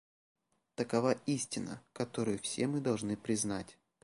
Такова истина, которую все мы должны признать.